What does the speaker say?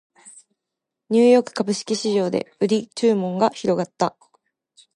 ニューヨーク株式市場で売り注文が広がった